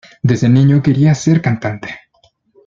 Desde niño quería ser cantante.